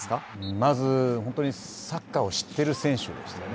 まず、本当にサッカーを知っている選手でしたよね